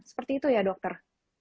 seperti itu ya dokter